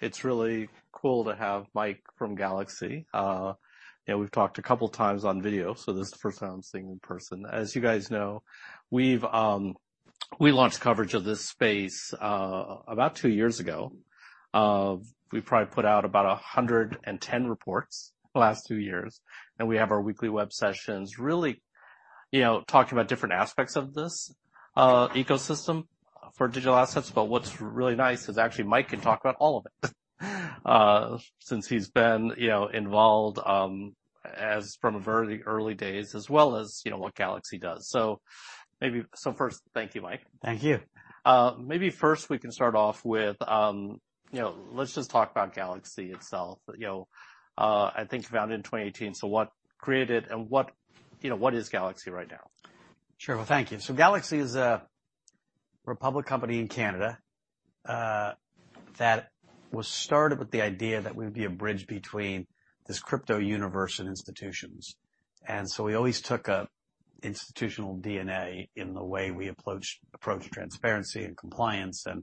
It's really cool to have Mike from Galaxy. You know, we've talked a couple times on video, this is the first time I'm seeing you in person. As you guys know, we've, we launched coverage of this space, about two years ago. We probably put out about 110 reports the last two years, and we have our weekly web sessions, really, you know, talking about different aspects of this ecosystem for digital assets. What's really nice is actually Mike can talk about all of it, since he's been, you know, involved, as from the very early days as well as, you know, what Galaxy does. First, thank you, Mike. Thank you. Maybe first we can start off with, you know, let's just talk about Galaxy itself. You know, I think founded in 2018. What created and what, you know, what is Galaxy right now? Sure. Well, thank you. Galaxy is a public company in Canada that was started with the idea that we'd be a bridge between this crypto universe and institutions. We always took a institutional DNA in the way we approach transparency and compliance and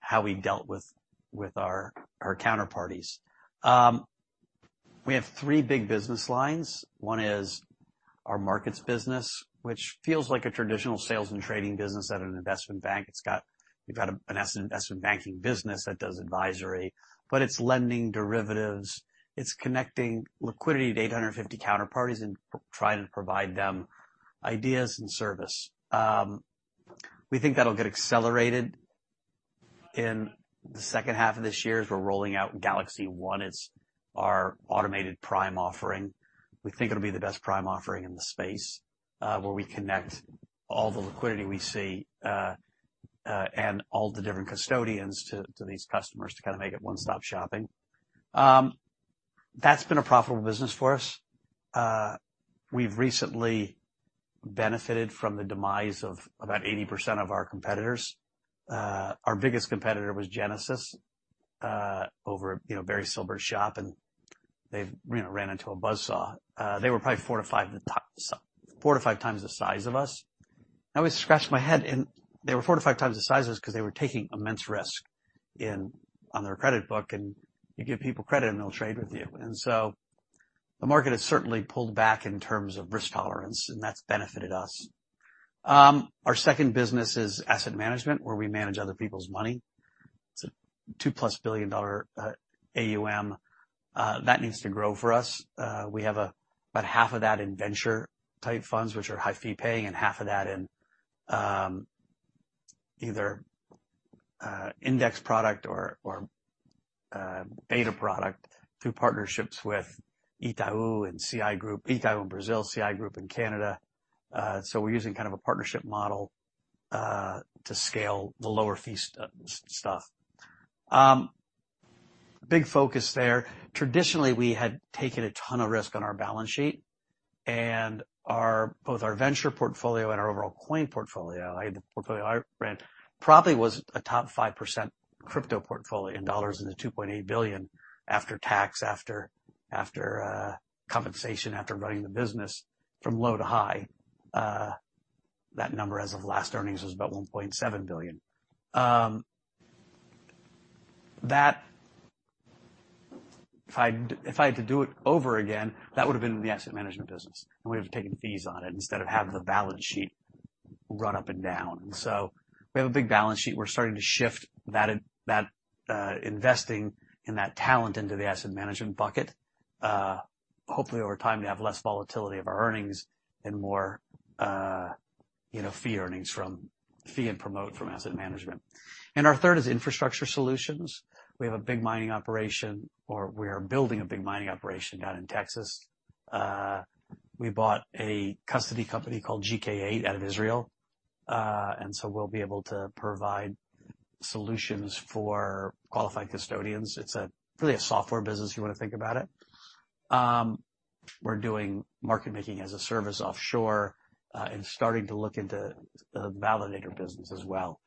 how we dealt with our counterparties. We have three big business lines. One is our markets business, which feels like a traditional sales and trading business at an investment bank. We've got an investment banking business that does advisory, but it's lending derivatives. It's connecting liquidity to 850 counterparties and trying to provide them ideas and service. We think that'll get accelerated in the second half of this year as we're rolling out GalaxyOne. It's our automated prime offering. We think it'll be the best prime offering in the space, where we connect all the liquidity we see, and all the different custodians to these customers to kind of make it one stop shopping. That's been a profitable business for us. We've recently benefited from the demise of about 80% of our competitors. Our biggest competitor was Genesis, over, you know, very full-service shop, and they've, you know, ran into a buzz saw. They were probably four to five times the size of us. I always scratched my head, and they were four to five times the size of us 'cause they were taking immense risk on their credit book. You give people credit, and they'll trade with you. The market has certainly pulled back in terms of risk tolerance, and that's benefited us. Our second business is asset management, where we manage other people's money. It's a $2-plus billion AUM. That needs to grow for us. We have about half of that in venture-type funds, which are high fee paying, and half of that in either index product or beta product through partnerships with Itaú and CI Group. Itaú in Brazil, CI Group in Canada. We're using kind of a partnership model to scale the lower fee stuff. Big focus there. Traditionally, we had taken a ton of risk on our balance sheet and both our venture portfolio and our overall coin portfolio, the portfolio I ran, probably was a top 5% crypto portfolio in dollars in the $2.8 billion after tax, after compensation, after running the business from low to high. That number as of last earnings was about $1.7 billion. If I had to do it over again, that would have been the asset management business, and we would taken fees on it instead of have the balance sheet run up and down. We have a big balance sheet. We're starting to shift that investing and that talent into the asset management bucket. Hopefully, over time, to have less volatility of our earnings and more, you know, fee earnings from fee and promote from asset management. Our third is infrastructure solutions. We have a big mining operation, or we're building a big mining operation down in Texas. We bought a custody company called GK8 out of Israel, we'll be able to provide solutions for qualified custodians. It's really a software business, if you wanna think about it. We're doing market making as a service offshore, starting to look into the validator business as well.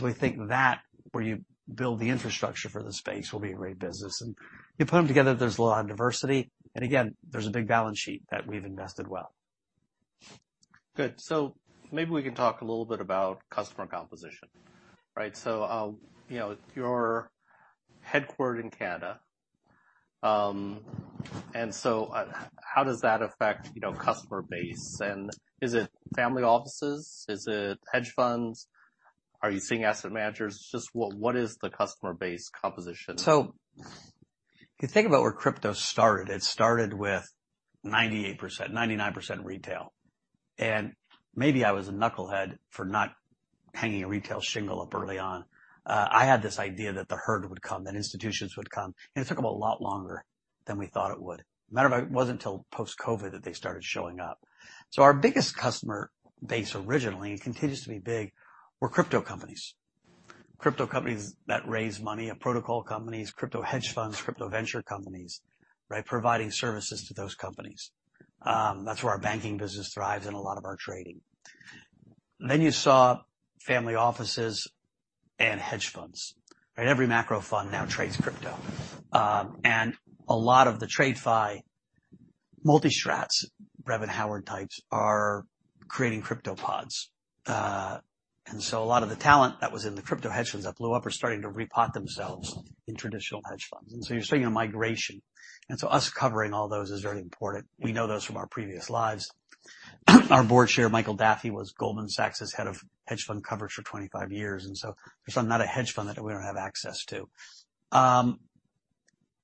We think that where you build the infrastructure for the space will be a great business. You put them together, there's a lot of diversity. Again, there's a big balance sheet that we've invested well. Good. Maybe we can talk a little bit about customer composition, right? You're headquartered in Canada. How does that affect customer base? Is it family offices? Is it hedge funds? Are you seeing asset managers? Just what is the customer base composition? If you think about where crypto started, it started with 98%, 99% retail. Maybe I was a knucklehead for not hanging a retail shingle up early on. I had this idea that the herd would come, that institutions would come, and it took them a lot longer than we thought it would. Matter of fact, it wasn't until post-COVID that they started showing up. Our biggest customer base originally, and continues to be big, were crypto companies. Crypto companies that raise money, protocol companies, crypto hedge funds, crypto venture companies, right? Providing services to those companies. That's where our banking business thrives and a lot of our trading. You saw family offices and hedge funds, right? Every macro fund now trades crypto. And a lot of the TradFi multi-strats, Brevan Howard types are creating crypto pods. A lot of the talent that was in the crypto hedge funds that blew up are starting to repot themselves in traditional hedge funds. You're seeing a migration, so us covering all those is very important. We know those from our previous lives. Our board chair, Michael Daffy, was Goldman Sachs' head of hedge fund coverage for 25 years. There's not a hedge fund that we don't have access to.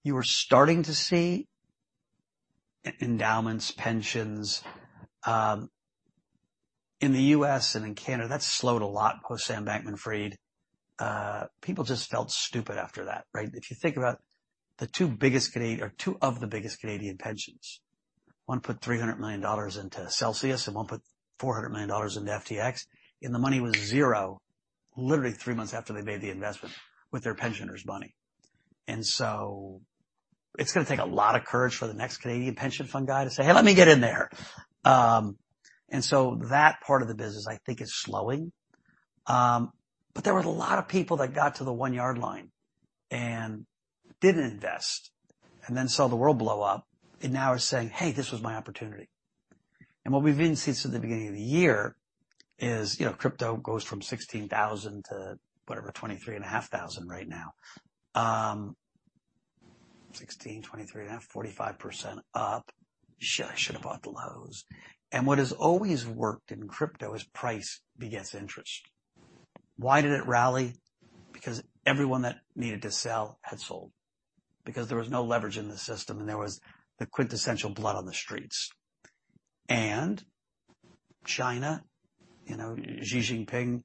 You are starting to see e-endowments, pensions, in the US and in Canada. That's slowed a lot post-Sam Bankman-Fried. People just felt stupid after that, right? If you think about the two biggest or two of the biggest Canadian pensions, one put $300 million into Celsius, and one put $400 million into FTX, and the money was zero literally three months after they made the investment with their pensioners' money. So it's gonna take a lot of courage for the next Canadian pension fund guy to say, "Hey, let me get in there." So that part of the business, I think, is slowing. There was a lot of people that got to the one-yard line and didn't invest and then saw the world blow up and now are saying, "Hey, this was my opportunity." What we've been seeing since the beginning of the year is, you know, crypto goes from 16,000 to whatever, 23,500 right now. 16%, 23.5%, 45% up, I should have bought the lows. What has always worked in crypto is price begets interest. Why did it rally? Because everyone that needed to sell had sold because there was no leverage in the system, and there was the quintessential blood on the streets. China, you know, Xi Jinping,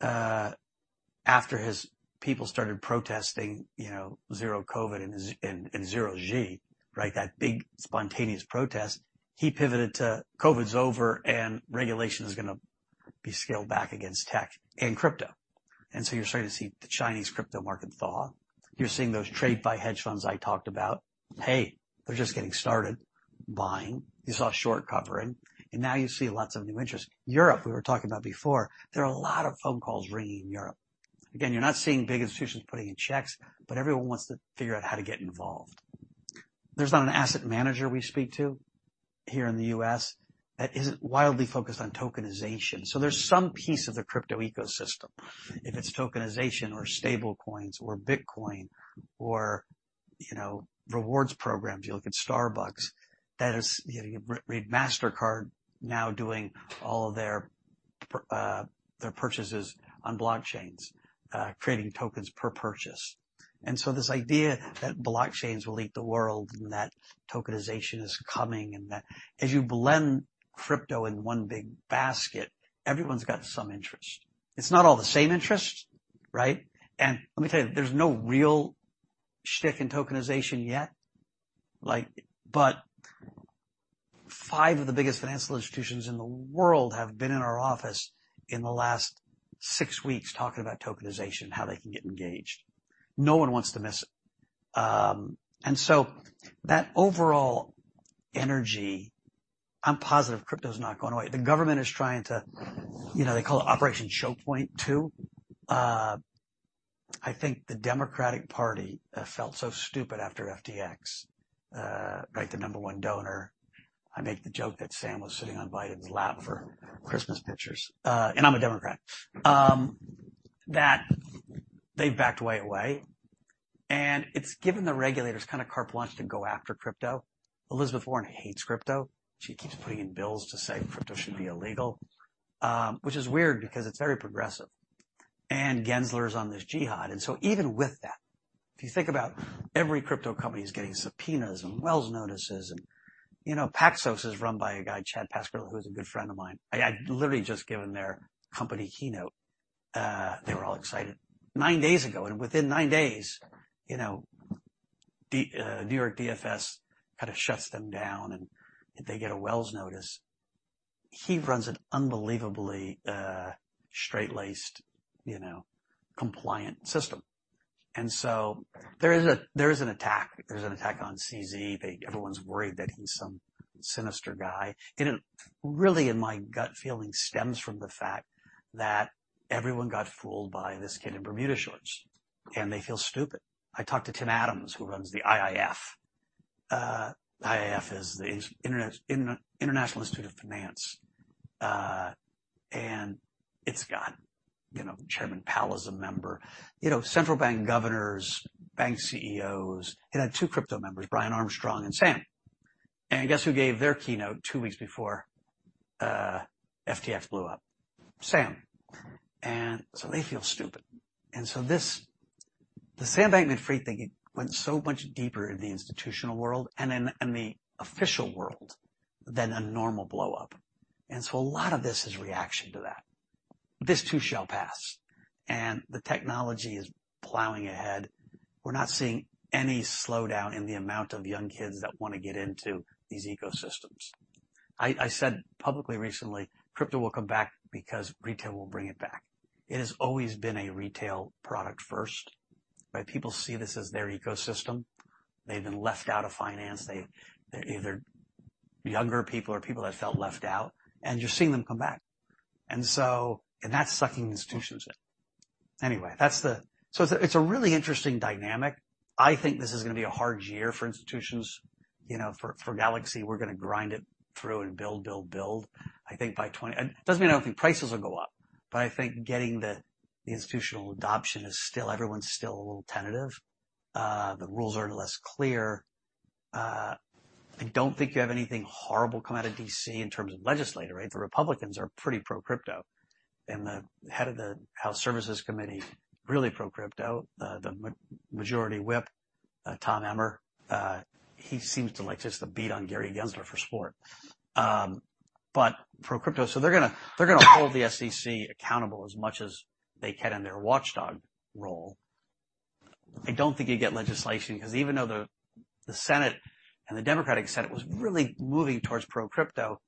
after his people started protesting, you know, zero COVID and zero G, right? That big spontaneous protest, he pivoted to COVID's over and regulation is gonna be scaled back against tech and crypto. You're starting to see the Chinese crypto market thaw. You're seeing those trade by hedge funds I talked about, hey, they're just getting started buying. You saw short covering, and now you see lots of new interest. Europe, we were talking about before, there are a lot of phone calls ringing in Europe. You're not seeing big institutions putting in checks, but everyone wants to figure out how to get involved. There's not an asset manager we speak to here in the U.S. that isn't wildly focused on tokenization. There's some piece of the crypto ecosystem, if it's tokenization or stablecoins or Bitcoin or, you know, rewards programs. You look at Starbucks. You read Mastercard now doing all of their purchases on blockchains, creating tokens per purchase. This idea that blockchains will eat the world and that tokenization is coming and that as you blend crypto in one big basket, everyone's got some interest. It's not all the same interest, right? Let me tell you, there's no real shtick in tokenization yet. But 5 of the biggest financial institutions in the world have been in our office in the last 6 weeks talking about tokenization and how they can get engaged. No one wants to miss it. So that overall energy, I'm positive crypto is not going away. The government is trying to, you know, they call it Operation Choke Point 2. I think the Democratic Party felt so stupid after FTX, right? The number one donor. I make the joke that Sam was sitting on Biden's lap for Christmas pictures, and I'm a Democrat. That they've backed way. It's given the regulators kinda carte blanche to go after crypto. Elizabeth Warren hates crypto. She keeps putting in bills to say crypto should be illegal, which is weird because it's very progressive. Gensler is on this jihad. Even with that, if you think about every crypto company is getting subpoenas and Wells notices and, you know, Paxos is run by a guy, Chad Cascarilla, who is a good friend of mine. I had literally just given their company keynote, they were all excited 9 days ago, and within 9 days, you know, the New York DFS kinda shuts them down, and they get a Wells notice. He runs an unbelievably straight-laced, you know, compliant system. There is an attack. There's an attack on CZ. Everyone's worried that he's some sinister guy. It really in my gut feeling stems from the fact that everyone got fooled by this kid in Bermuda shorts, and they feel stupid. I talked to Tim Adams, who runs the IIF. IIF is the International Institute of Finance, it's got, you know, Chairman Powell is a member. You know, central bank governors, bank CEOs. It had 2 crypto members, Brian Armstrong and Sam. Guess who gave their keynote 2 weeks before FTX blew up? Sam. They feel stupid. The Sam Bankman-Fried thing went so much deeper in the institutional world and in the official world than a normal blowup. A lot of this is reaction to that. This too shall pass, the technology is plowing ahead. We're not seeing any slowdown in the amount of young kids that wanna get into these ecosystems. I said publicly recently, crypto will come back because retail will bring it back. It has always been a retail product first, right? People see this as their ecosystem. They've been left out of finance. They're either younger people or people that felt left out, and you're seeing them come back. That's sucking institutions in. Anyway, it's a really interesting dynamic. I think this is gonna be a hard year for institutions. You know, for Galaxy, we're gonna grind it through and build. I think it doesn't mean I think prices will go up, but I think getting the institutional adoption everyone's still a little tentative. The rules are less clear. I don't think you have anything horrible come out of D.C. in terms of legislator, right? The Republicans are pretty pro-crypto, the head of the House Financial Services Committee, really pro-crypto. The majority whip, Tom Emmer, he seems to like just to beat on Gary Gensler for sport. Pro-crypto. They're gonna hold the SEC accountable as much as they can in their watchdog role. I don't think you get legislation, 'cause even though the Senate and the Democratic Senate was really moving towards pro-crypto,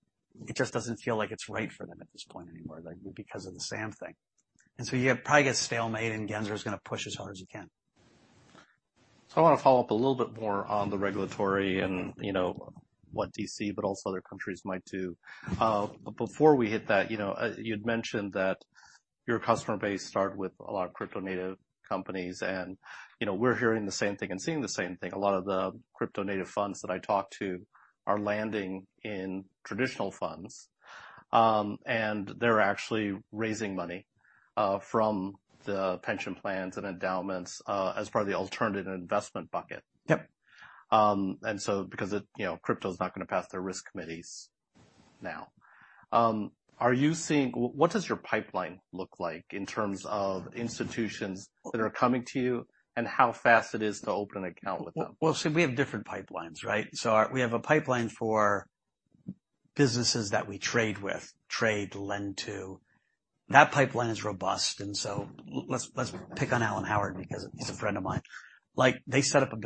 it just doesn't feel like it's right for them at this point anymore, like, because of the Sam thing. You probably get stalemate, and Gensler is gonna push as hard as he can. I wanna follow up a little bit more on the regulatory and, you know, what D.C. but also other countries might do. Before we hit that, you know, you'd mentioned that your customer base started with a lot of crypto native companies and, you know, we're hearing the same thing and seeing the same thing. A lot of the crypto native funds that I talk to are landing in traditional funds, and they're actually raising money from the pension plans and endowments as part of the alternative investment bucket. Yep. Because, you know, crypto is not gonna pass their risk committees now. Are you seeing what does your pipeline look like in terms of institutions that are coming to you and how fast it is to open an account with them? We have different pipelines, right? We have a pipeline for businesses that we trade with, lend to. That pipeline is robust. Let's pick on Alan Howard because he's a friend of mine. Like, they set up a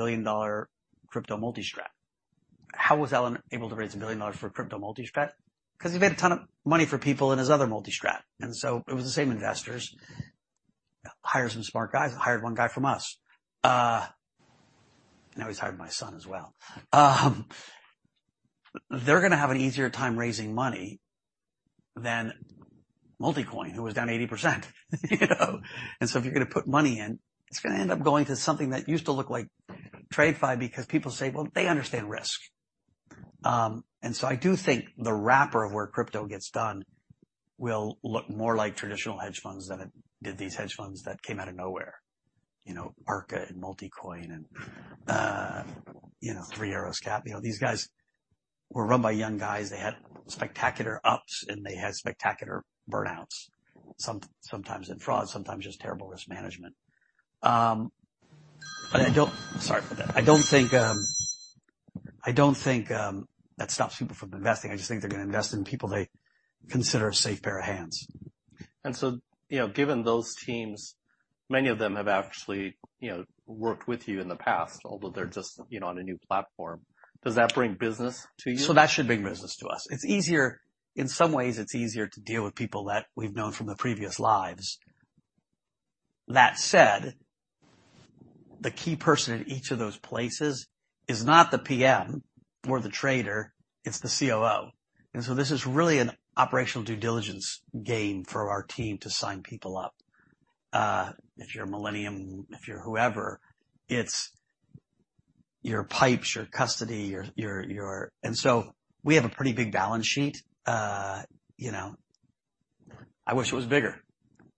billion-dollar crypto multi-strat. How was Alan able to raise $1 billion for a crypto multi-strat? 'Cause he made a ton of money for people in his other multi-strat. It was the same investors. Hire some smart guys. Hired one guy from us. Now he's hired my son as well. They're gonna have an easier time raising money than Multicoin, who was down 80%, you know. If you're gonna put money in, it's gonna end up going to something that used to look like TradFi because people say, "Well, they understand risk." I do think the wrapper of where crypto gets done will look more like traditional hedge funds than it did these hedge funds that came out of nowhere, you know, Arca and Multicoin and, you know, Three Arrows Capital. You know, these guys were run by young guys. They had spectacular ups, and they had spectacular burnouts. sometimes in fraud, sometimes just terrible risk management. I don't think that stops people from investing. I just think they're gonna invest in people they consider a safe pair of hands. You know, given those teams, many of them have actually, you know, worked with you in the past, although they're just, you know, on a new platform. Does that bring business to you? That should bring business to us. In some ways, it's easier to deal with people that we've known from their previous lives. That said, the key person in each of those places is not the PM or the trader, it's the COO. This is really an operational due diligence game for our team to sign people up. If you're Millennium, if you're whoever, it's your pipes, your custody, your... We have a pretty big balance sheet. You know, I wish it was bigger,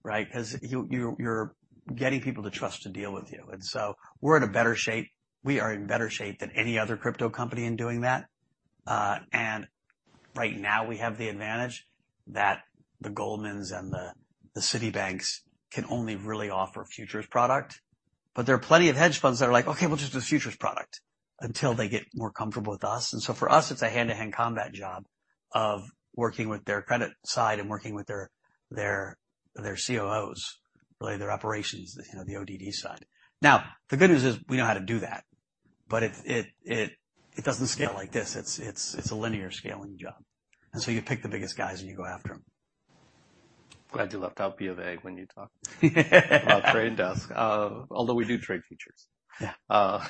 right? 'Cause you're getting people to trust to deal with you. We're in a better shape. We are in better shape than any other crypto company in doing that. And right now, we have the advantage that the Goldmans and the Citibanks can only really offer futures product. There are plenty of hedge funds that are like, "Okay, we'll just do the futures product," until they get more comfortable with us. For us, it's a hand-to-hand combat job of working with their credit side and working with their COOs, really their operations, you know, the ODD side. The good news is we know how to do that, but it doesn't scale like this. It's a linear scaling job. You pick the biggest guys and you go after them. Glad you left out B of A when you talked about trade desk, although we do trade futures. Yeah.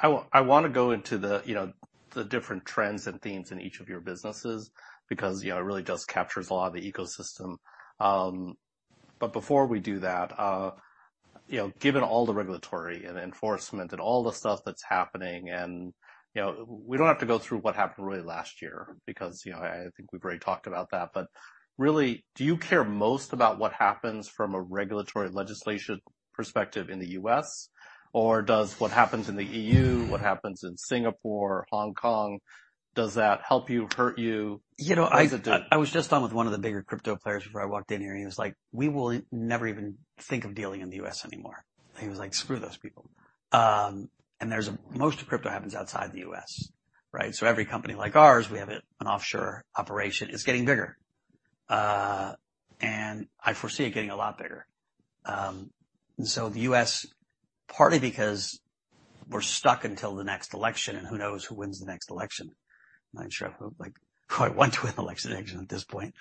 I want to go into the, you know, the different trends and themes in each of your businesses because, you know, it really does captures a lot of the ecosystem. Before we do that, you know, given all the regulatory and enforcement and all the stuff that's happening and, you know, we don't have to go through what happened really last year because, you know, I think we've already talked about that. Really, do you care most about what happens from a regulatory legislation perspective in the U.S., or does what happens in the E.U., what happens in Singapore, Hong Kong, does that help you, hurt you? You know. What does it do? I was just on with one of the bigger crypto players before I walked in here, he was like, "We will never even think of dealing in the U.S. anymore." He was like, "Screw those people." Most of crypto happens outside the U.S., right? Every company like ours, we have it, an offshore operation. It's getting bigger, I foresee it getting a lot bigger. The U.S., partly because we're stuck until the next election, who knows who wins the next election. I'm not sure who I want to win the election at this point.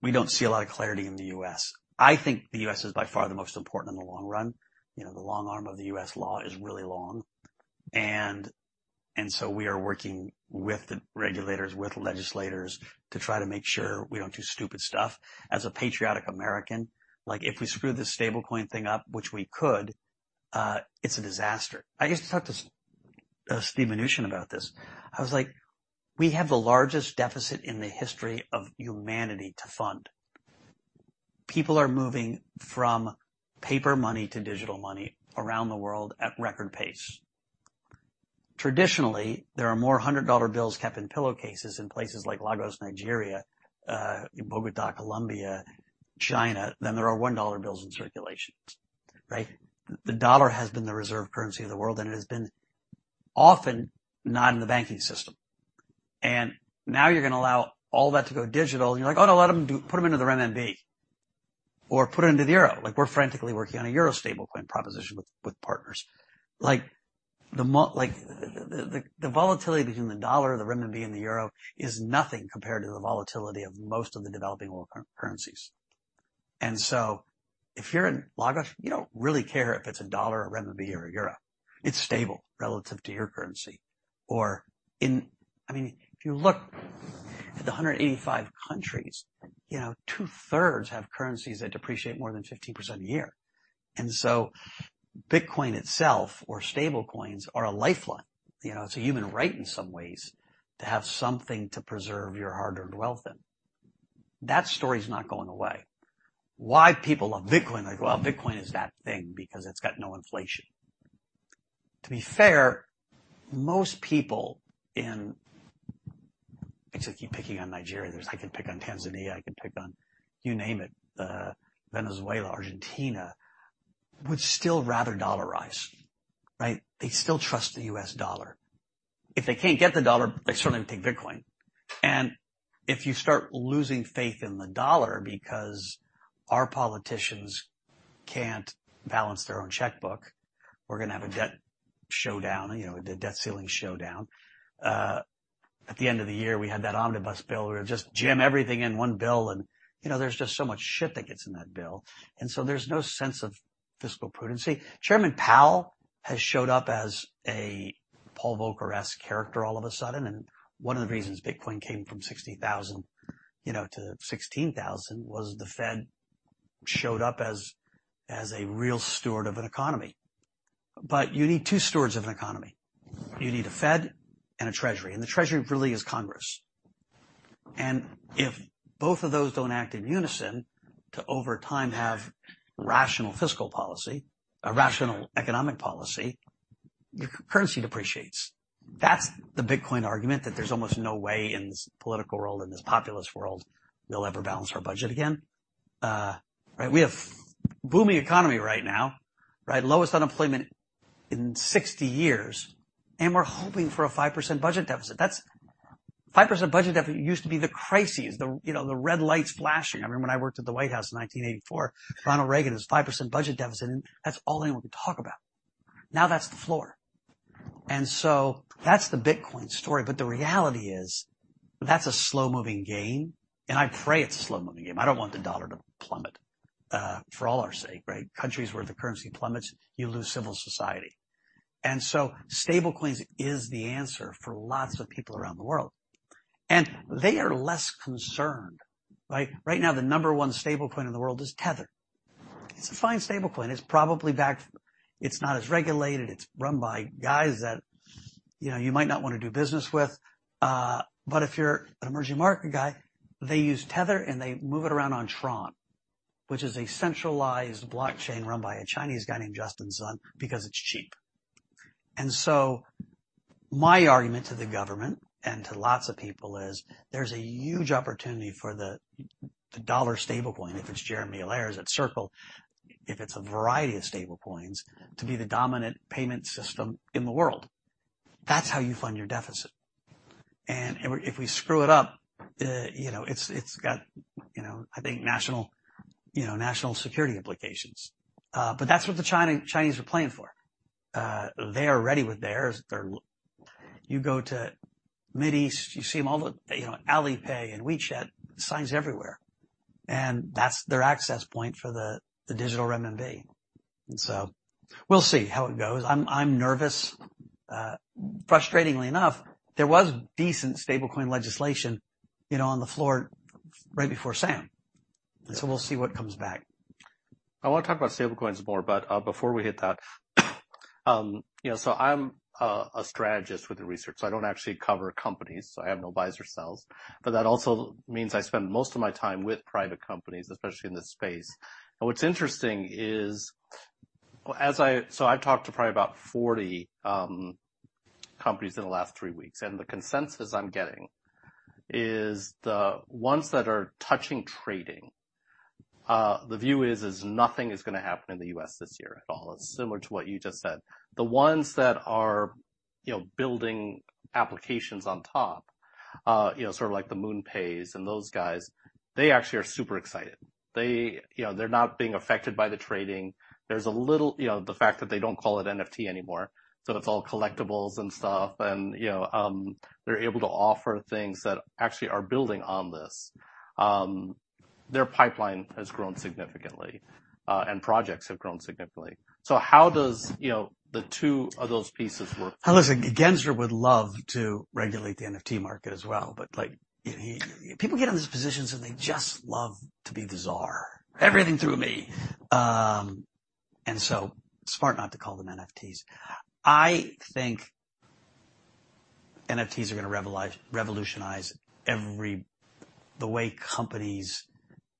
We don't see a lot of clarity in the U.S. I think the U.S. is by far the most important in the long run. You know, the long arm of the U.S. law is really long. We are working with the regulators, with legislators to try to make sure we don't do stupid stuff. As a patriotic American, like, if we screw this stable coin thing up, which we could, it's a disaster. I used to talk to Steve Mnuchin about this. I was like, "We have the largest deficit in the history of humanity to fund." People are moving from paper money to digital money around the world at record pace. Traditionally, there are more 100 dollar bills kept in pillowcases in places like Lagos, Nigeria, in Bogota, Colombia, China, than there are 1 dollar bills in circulation, right? The dollar has been the reserve currency of the world, it has been often not in the banking system. Now you're gonna allow all that to go digital, and you're like, "Oh, no, let them put them into the renminbi or put it into the euro." Like, we're frantically working on a euro stablecoin proposition with partners. Like, the volatility between the dollar, the renminbi and the euro is nothing compared to the volatility of most of the developing world currencies. If you're in Lagos, you don't really care if it's a dollar, a renminbi or a euro. It's stable relative to your currency. I mean, if you look at the 185 countries, you know, 2/3s have currencies that depreciate more than 15% a year. Bitcoin itself or stablecoins are a lifeline. You know, it's a human right in some ways to have something to preserve your hard-earned wealth in. That story is not going away. Why people love Bitcoin? They're like, "Well, Bitcoin is that thing because it's got no inflation." To be fair, most people in... I just keep picking on Nigeria. I can pick on Tanzania, I can pick on you name it, Venezuela, Argentina, would still rather dollarize, right? They still trust the U.S. dollar. If they can't get the dollar, they certainly take Bitcoin. If you start losing faith in the dollar because our politicians can't balance their own checkbook, we're gonna have a debt showdown, you know, the debt ceiling showdown. At the end of the year, we had that omnibus bill where we just jam everything in one bill and, you know, there's just so much shit that gets in that bill, and so there's no sense of fiscal prudency. Chairman Powell has showed up as a Paul Volcker-esque character all of a sudden, one of the reasons Bitcoin came from $60,000, you know, to $16,000 was the Fed showed up as a real steward of an economy. You need two stewards of an economy. You need a Fed and a Treasury. The Treasury really is Congress. If both of those don't act in unison to over time have rational fiscal policy, a rational economic policy, your currency depreciates. That's the Bitcoin argument, that there's almost no way in this political world, in this populist world, we'll ever balance our budget again. Right, we have booming economy right now, right? Lowest unemployment in 60 years, we're hoping for a 5% budget deficit. 5% budget deficit used to be the crises, the, you know, the red lights flashing. I remember when I worked at the White House in 1984, Ronald Reagan has a 5% budget deficit, that's all anyone could talk about. Now that's the floor. That's the Bitcoin story. The reality is that's a slow-moving game, I pray it's a slow-moving game. I don't want the dollar to plummet, for all our sake, right? Countries where the currency plummets, you lose civil society. Stablecoins is the answer for lots of people around the world. They are less concerned, right? Right now, the number one stablecoin in the world is Tether. It's a fine stablecoin. It's probably backed. It's not as regulated. It's run by guys that, you know, you might not want to do business with. If you're an emerging market guy, they use Tether and they move it around on TRON, which is a centralized blockchain run by a Chinese guy named Justin Sun because it's cheap. My argument to the government and to lots of people is there's a huge opportunity for the dollar stablecoin, if it's Jeremy Allaire's at Circle, if it's a variety of stablecoins, to be the dominant payment system in the world. That's how you fund your deficit. If we, if we screw it up, you know, it's got, you know, I think, national, you know, national security implications. That's what the China-Chinese are playing for. They are ready with theirs. You go to Middle East, you see them all the, you know, Alipay and WeChat signs everywhere. That's their access point for the digital renminbi. We'll see how it goes. I'm nervous. Frustratingly enough, there was decent stablecoin legislation, you know, on the floor right before Sam. We'll see what comes back. I want to talk about stablecoins more, but before we hit that, you know, so I'm a strategist with the research. I don't actually cover companies, so I have no buys or sells. That also means I spend most of my time with private companies, especially in this space. What's interesting is as I've talked to probably about 40 companies in the last three weeks, and the consensus I'm getting is the ones that are touching trading, the view is nothing is gonna happen in the U.S. this year at all. It's similar to what you just said. The ones that are, you know, building applications on top, you know, sort of like the MoonPays and those guys, they actually are super excited. They, you know, they're not being affected by the trading. You know, the fact that they don't call it NFT anymore, so it's all collectibles and stuff and, you know, they're able to offer things that actually are building on this. Their pipeline has grown significantly, and projects have grown significantly. How does, you know, the two of those pieces work? Listen, Gensler would love to regulate the NFT market as well, but, like, people get in these positions, and they just love to be the tsar. Everything through me. Smart not to call them NFTs. I think NFTs are going to revolutionize the way companies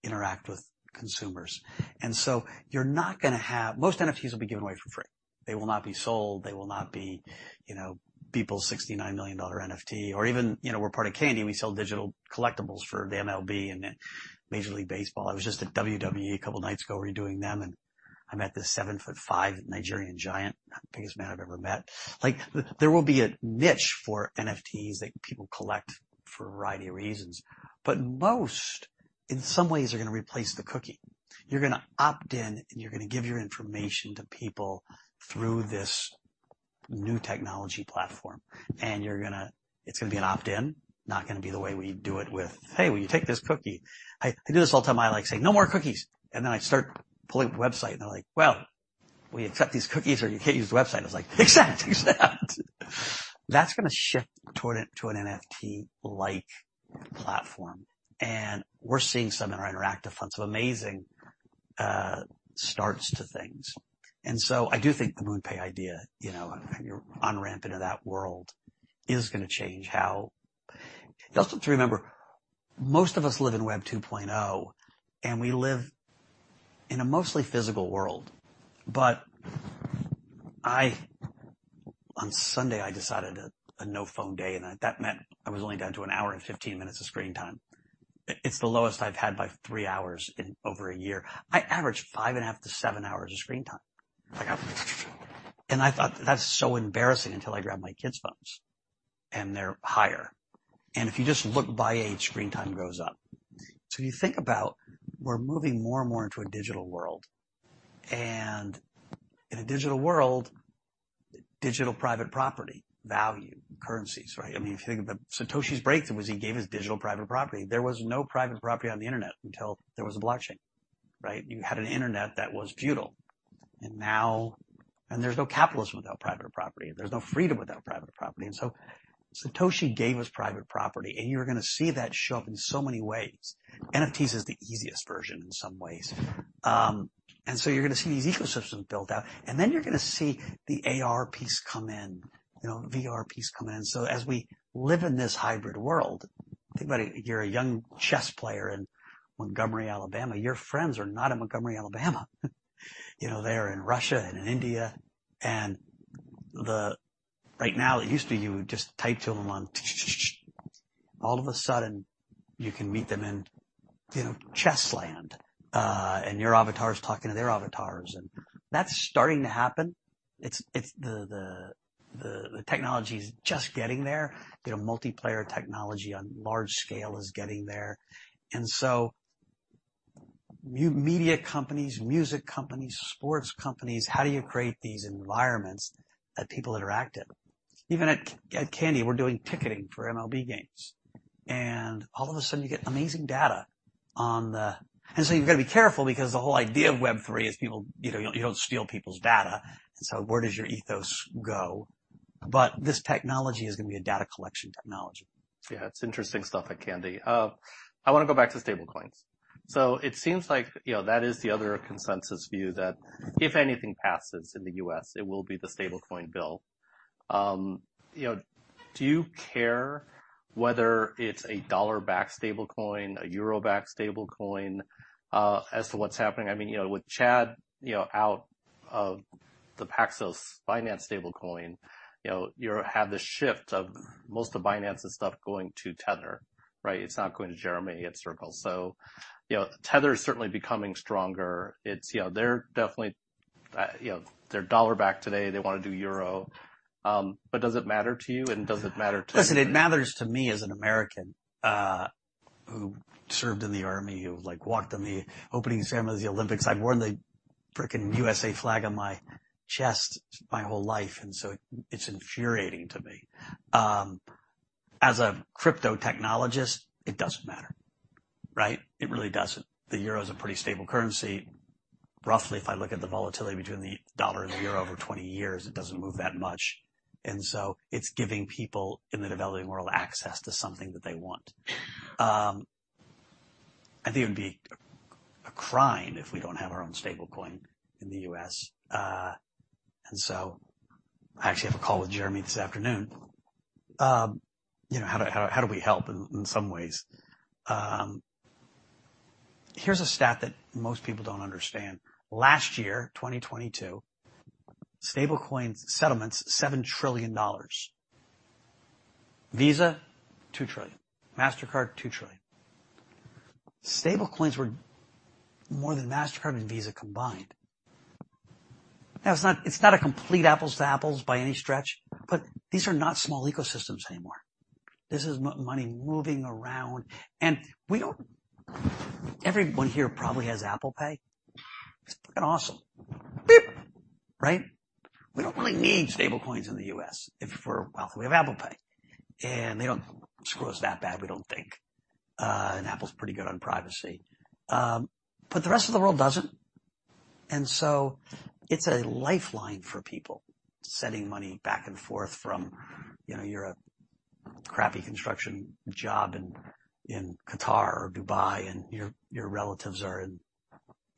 interact with consumers. Most NFTs will be given away for free. They will not be sold. They will not be, you know, people's $69 million NFT or even, you know, we're part of Candy, and we sell digital collectibles for the MLB and Major League Baseball. I was just at WWE a couple of nights ago redoing them, and I met this 7 foot 5 Nigerian giant, the biggest man I've ever met. Like, there will be a niche for NFTs that people collect for a variety of reasons, but most, in some ways, are going to replace the cookie. You're going to opt in, and you're going to give your information to people through this new technology platform, and it's gonna be an opt-in, not gonna be the way we do it with, "Hey, will you take this cookie?" I do this all the time. I, like, say, "No more cookies." I start pulling up the website, and they're like, "Well, will you accept these cookies or you can't use the website?" I was like, "Exactly." That's going to shift to an NFT-like platform. We're seeing some in our interactive fund. Some amazing starts to things. I do think the MoonPay idea, you know, on your on-ramp into that world is going to change how. You also have to remember, most of us live in Web 2.0, and we live in a mostly physical world. On Sunday, I decided a no-phone day, and that meant I was only down to 1 hour and 15 minutes of screen time. It's the lowest I've had by 3 hours in over 1 year. I average five and a half to seven hours of screen time. Like, I thought, that's so embarrassing until I grabbed my kids' phones, and they're higher. If you just look by age, screen time goes up. You think about we're moving more and more into a digital world, and in a digital world, digital private property, value, currencies, right? I mean, if you think about Satoshi's breakthrough was he gave us digital private property. There was no private property on the Internet until there was a blockchain, right? You had an Internet that was feudal. There's no capitalism without private property. There's no freedom without private property. Satoshi gave us private property, and you're going to see that show up in so many ways. NFTs is the easiest version in some ways. you're going to see these ecosystems built out, and then you're going to see the AR piece come in, you know, VR piece come in. As we live in this hybrid world, think about it, you're a young chess player in Montgomery, Alabama. Your friends are not in Montgomery, Alabama. You know, they're in Russia and India. Right now, it used to be you would just type to them on ch-ch-ch. All of a sudden, you can meet them in, you know, chess land, and your avatar is talking to their avatars. That's starting to happen. It's the technology is just getting there. You know, multiplayer technology on large scale is getting there. So media companies, music companies, sports companies, how do you create these environments that people interact in? Even at Candy, we're doing ticketing for MLB games. All of a sudden, you get amazing data on the-- So you've got to be careful because the whole idea of Web3 is people-- you know, you don't steal people's data. So where does your ethos go? This technology is going to be a data collection technology. It's interesting stuff at Candy Digital. I want to go back to stablecoins. It seems like, you know, that is the other consensus view that if anything passes in the U.S., it will be the stablecoin bill. You know, do you care whether it's a dollar-backed stablecoin, a euro-backed stablecoin, as to what's happening? I mean, you know, with Chad, you know, out of the Paxos Binance stablecoin, you know, you have this shift of most of Binance's stuff going to Tether, right? It's not going to Jeremy at Circle. You know, Tether is certainly becoming stronger. It's you know, they're definitely, you know, they're dollar-backed today, they wanna do euro, but does it matter to you and does it matter to- Listen, it matters to me as an American, who served in the army, who, like, walked on the opening ceremonies of the Olympics. I've worn the freaking USA flag on my chest my whole life, and so it's infuriating to me. As a crypto technologist, it doesn't matter, right? It really doesn't. The euro is a pretty stable currency. Roughly, if I look at the volatility between the dollar and the euro over 20 years, it doesn't move that much. It's giving people in the developing world access to something that they want. I think it would be a crime if we don't have our own stable coin in the U.S. I actually have a call with Jeremy this afternoon. You know, how do, how do we help in some ways? Here's a stat that most people don't understand. Last year, 2022, stablecoin settlements, $7 trillion. Visa, $2 trillion. Mastercard, $2 trillion. Stablecoins were more than Mastercard and Visa combined. it's not, it's not a complete apples to apples by any stretch, but these are not small ecosystems anymore. This is money moving around. we don't Everyone here probably has Apple Pay. It's freaking awesome. Right? We don't really need stablecoins in the U.S. if we're wealthy. We have Apple Pay, and they don't screw us that bad, we don't think. and Apple's pretty good on privacy. but the rest of the world doesn't. it's a lifeline for people sending money back and forth from, you know, you're a crappy construction job in Qatar or Dubai and your relatives are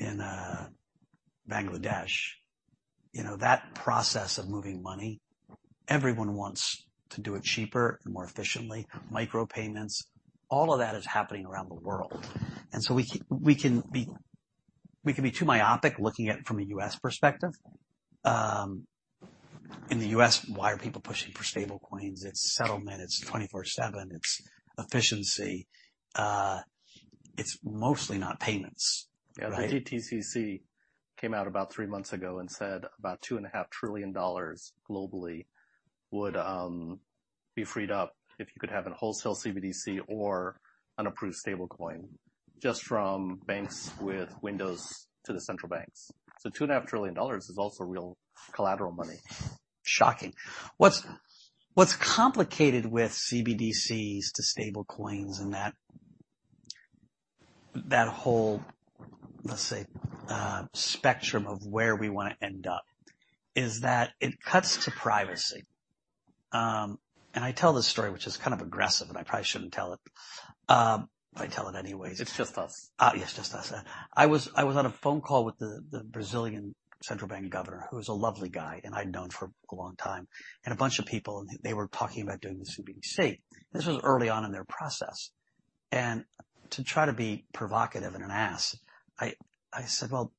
in Bangladesh. You know, that process of moving money, everyone wants to do it cheaper and more efficiently. Micropayments, all of that is happening around the world. We can be too myopic looking at it from a U.S. perspective. In the U.S., why are people pushing for stablecoins? It's settlement, it's 24/7, it's efficiency. It's mostly not payments. The DTCC came out about 3 months ago and said about two and a half trillion dollars globally would be freed up if you could have a wholesale CBDC or an approved stable coin just from banks with windows to the central banks. Two and a half trillion dollars is also real collateral money. Shocking. What's complicated with CBDCs to stablecoins and that whole, let's say, spectrum of where we want to end up is that it cuts to privacy. I tell this story, which is kind of aggressive, and I probably shouldn't tell it, but I tell it anyways. It's just us. Yes, just us. I was on a phone call with the Brazilian Central Bank governor, who's a lovely guy, and I'd known for a long time, and a bunch of people, and they were talking about doing this CBDC. This was early on in their process. To try to be provocative and an ass, I said, "Well,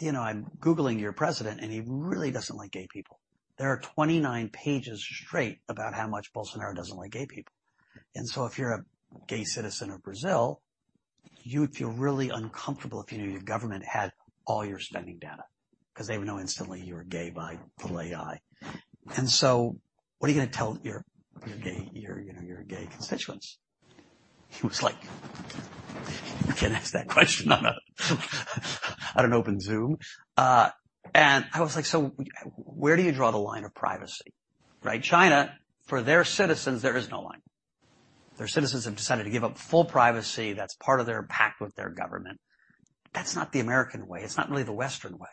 you know, I'm googling your president, and he really doesn't like gay people. There are 29 pages straight about how much Bolsonaro doesn't like gay people. If you're a gay citizen of Brazil, you'd feel really uncomfortable if you knew your government had all your spending data because they would know instantly you were gay by the AI. What are you gonna tell your gay, your, you know, your gay constituents?" He was like, "You can't ask that question on an open Zoom." I was like, "So where do you draw the line of privacy?" Right? China, for their citizens, there is no line. Their citizens have decided to give up full privacy. That's part of their pact with their government. That's not the American way. It's not really the Western way.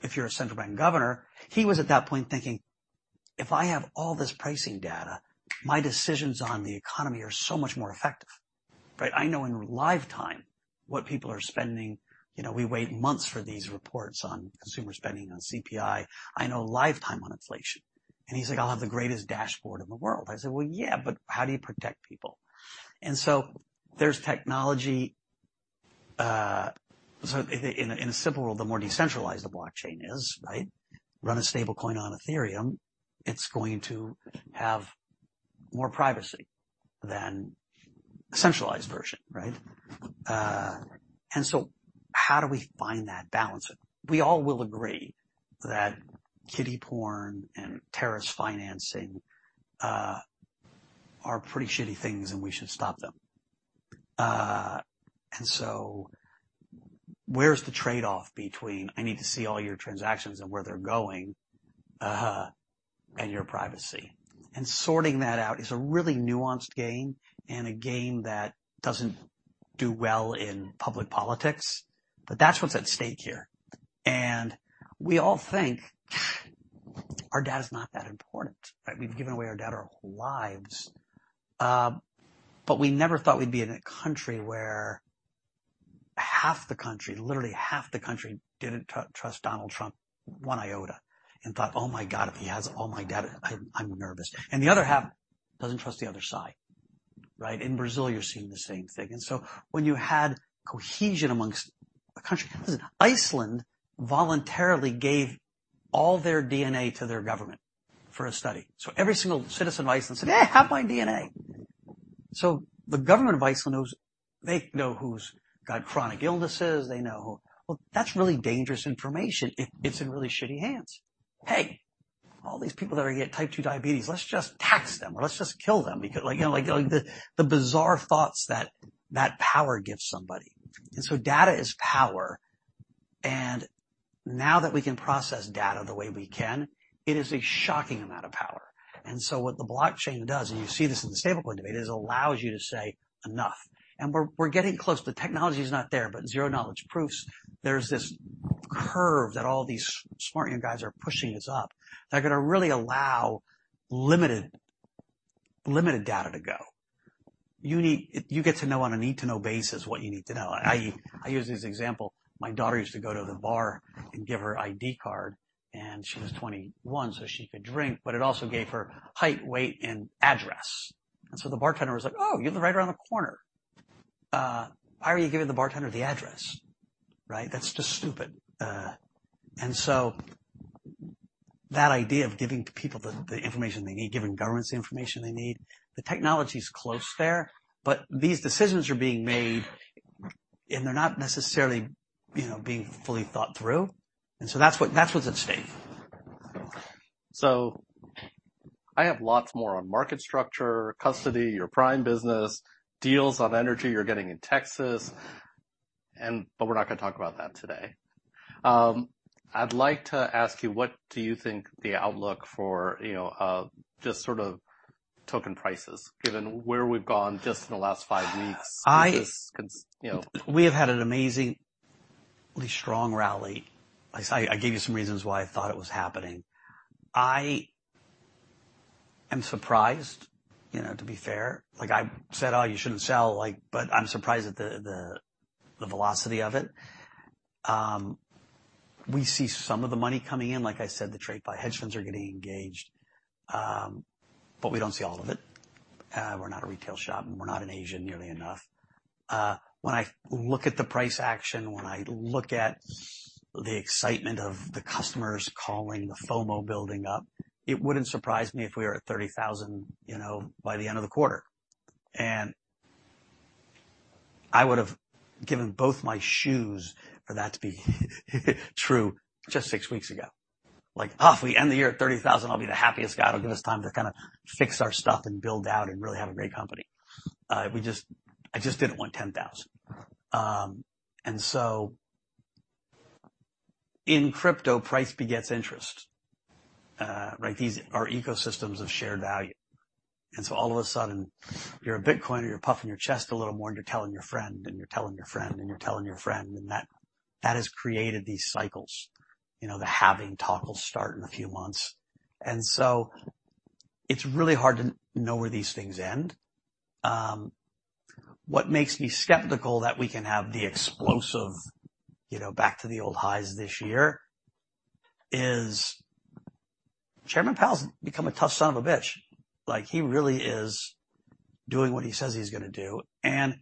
If you're a central bank governor, he was at that point thinking, if I have all this pricing data, my decisions on the economy are so much more effective, right? I know in real-time what people are spending. You know, we wait months for these reports on consumer spending on CPI. I know live time on inflation. He's like, "I'll have the greatest dashboard in the world." I said, "Well, yeah, but how do you protect people?" There's technology. So in a simple world, the more decentralized the blockchain is, right? Run a stablecoin on Ethereum, it's going to have more privacy than a centralized version, right? How do we find that balance? We all will agree that kiddy porn and terrorist financing are pretty shitty things, and we should stop them. Where's the trade-off between I need to see all your transactions and where they're going, and your privacy? Sorting that out is a really nuanced game and a game that doesn't do well in public politics. That's what's at stake here. We all think our data's not that important, right? We've given away our data our whole lives, but we never thought we'd be in a country where half the country, literally half the country, didn't trust Donald Trump one iota and thought, "Oh, my God, if he has all my data, I'm nervous." The other half doesn't trust the other side. Right? In Brazil, you're seeing the same thing. When you had cohesion amongst a country. Listen, Iceland voluntarily gave all their DNA to their government for a study. Every single citizen of Iceland said, "Yeah, have my DNA." The government of Iceland knows, they know who's got chronic illnesses. They know... Well, that's really dangerous information if it's in really shitty hands. Hey, all these people that get type 2 diabetes, let's just tax them, or let's just kill them because, like, you know, like, the bizarre thoughts that that power gives somebody. Data is power. Now that we can process data the way we can, it is a shocking amount of power. What the blockchain does, and you see this in the stablecoin debate, is allows you to say enough. We're getting close. The technology is not there, zero-knowledge proofs, there's this curve that all these smart young guys are pushing us up. They're gonna really allow limited data to go. You get to know on a need-to-know basis what you need to know. I use this example. My daughter used to go to the bar and give her ID card, and she was 21, so she could drink, but it also gave her height, weight, and address. The bartender was like, "Oh, you live right around the corner." Why are you giving the bartender the address, right? That's just stupid. That idea of giving people the information they need, giving governments the information they need, the technology's close there, but these decisions are being made, and they're not necessarily, you know, being fully thought through. That's what's at stake. I have lots more on market structure, custody, your prime business, deals on energy you're getting in Texas but we're not gonna talk about that today. I'd like to ask you, what do you think the outlook for, you know, just sort of token prices, given where we've gone just in the last five weeks? Because, you know. We have had an amazingly strong rally. I gave you some reasons why I thought it was happening. I am surprised, you know, to be fair. Like I said, "Oh, you shouldn't sell," like, I'm surprised at the velocity of it. We see some of the money coming in. Like I said, the trade by hedge funds are getting engaged, we don't see all of it. We're not a retail shop, we're not in Asia nearly enough. When I look at the price action, when I look at the excitement of the customers calling, the FOMO building up, it wouldn't surprise me if we are at $30,000, you know, by the end of the quarter. I would have given both my shoes for that to be true just 6 weeks ago. Like, "Oh, if we end the year at 30,000, I'll be the happiest guy. It'll give us time to kinda fix our stuff and build out and really have a great company." I just didn't want 10,000. In crypto, price begets interest. Right? These are ecosystems of shared value. All of a sudden, you're a Bitcoin and you're puffing your chest a little more and you're telling your friend and you're telling your friend and you're telling your friend, and that has created these cycles. You know, the halving talk will start in a few months. It's really hard to know where these things end. What makes me skeptical that we can have the explosive, you know, back to the old highs this year is Chairman Powell's become a tough son of a bitch. Like, he really is doing what he says he's gonna do, and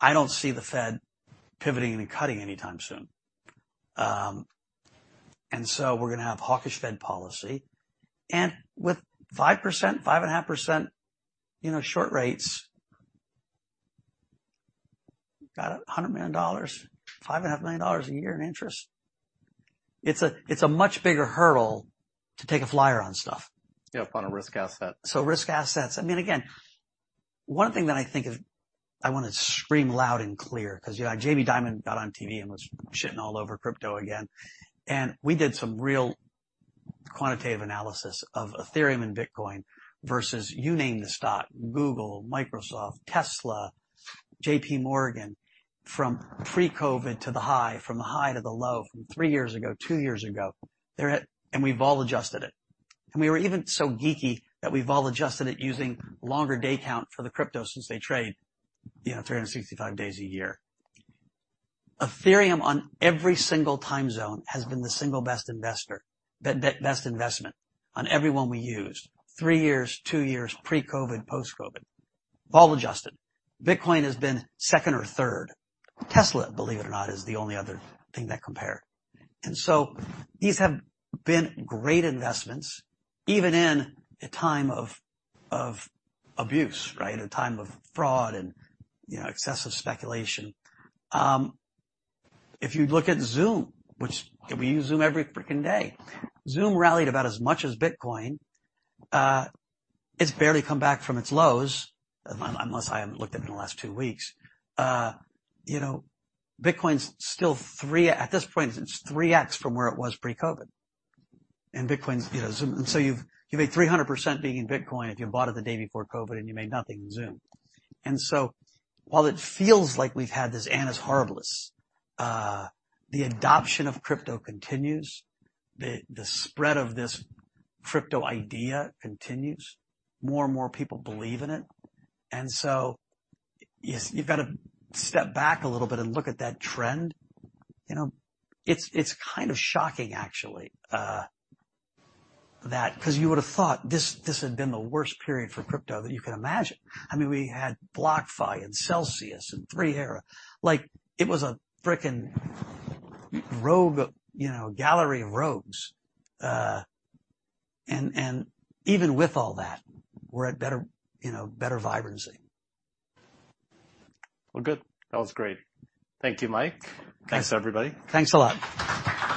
I don't see the Fed pivoting and cutting anytime soon. We're gonna have hawkish Fed policy. With 5%, 5.5%, you know, short rates, got $100 million, $5.5 million a year in interest. It's a much bigger hurdle to take a flyer on stuff. Yeah, up on a risk asset. Risk assets. I mean, again, one thing that I think is I wanna scream loud and clear because Jamie Dimon got on TV and was shitting all over crypto again. We did some real quantitative analysis of Ethereum and Bitcoin versus you name the stock, Google, Microsoft, Tesla, JPMorgan, from pre-COVID to the high, from the high to the low, from three years ago, two years ago. We've all adjusted it. We were even so geeky that we've all adjusted it using longer day count for the crypto since they trade, you know, 365 days a year. Ethereum on every single time zone has been the single best investment on every one we used. Three years, two years, pre-COVID, post-COVID, all adjusted. Bitcoin has been second or third. Tesla, believe it or not, is the only other thing that compared. These have been great investments, even in a time of abuse, right? A time of fraud and, you know, excessive speculation. If you look at Zoom, which we use Zoom every freaking day. Zoom rallied about as much as Bitcoin. It's barely come back from its lows, unless I haven't looked at it in the last two weeks. You know, Bitcoin's still 3X from where it was pre-COVID. Bitcoin's, you know, you made 300% being in Bitcoin if you bought it the day before COVID and you made nothing in Zoom. While it feels like we've had this and it's heartless, the adoption of crypto continues. The spread of this crypto idea continues. More and more people believe in it. You've got to step back a little bit and look at that trend. You know, it's kind of shocking, actually, that because you would have thought this had been the worst period for crypto that you can imagine. I mean, we had BlockFi and Celsius and Three Arrows. Like, it was a freaking rogue, you know, gallery of rogues. And even with all that, we're at better, you know, better vibrancy. Well, good. That was great. Thank you, Mike. Thanks, everybody. Thanks a lot.